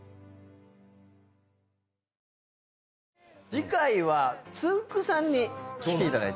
次回はつんく♂さんに来ていただく。